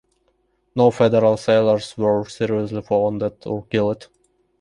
No Federal sailors were seriously wounded or killed.